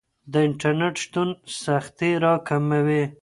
د انټرنیټ شتون سختۍ راکموي.